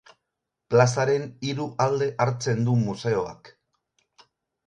Plazaren hiru alde hartzen du museoak.